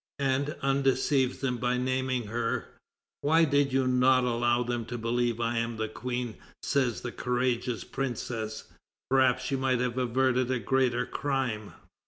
and undeceives them by naming her. "Why did you not allow them to believe I am the Queen?" says the courageous Princess; "perhaps you might have averted a greater crime."